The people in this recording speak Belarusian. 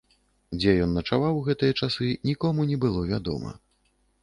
Дзе ён начаваў у гэтыя часы, нікому не было вядома.